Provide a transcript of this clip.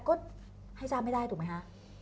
ก็ให้ทราบไม่ได้ถูกไหมคะ